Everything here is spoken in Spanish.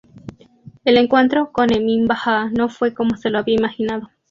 El encuentro con Emin Bajá no fue como se lo había imaginado.